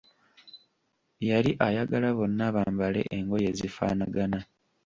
Yali ayagala bonna bambale engoye ezifaanagana.